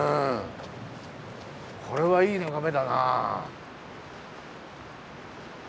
これはいい眺めだな。